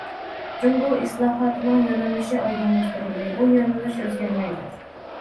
جۇڭگو ئىسلاھاتىنىڭ يۆنىلىشى ئايدىڭلاشتۇرۇلدى، بۇ يۆنىلىش ئۆزگەرمەيدۇ.